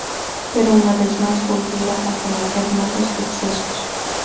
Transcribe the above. Pero una vez más, volvería a cometer nuevos excesos.